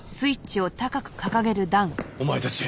お前たち。